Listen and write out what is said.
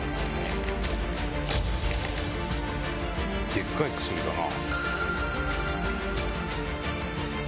でっかい薬だな。